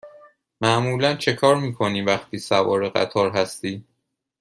معمولا چکار می کنی وقتی سوار قطار هستی؟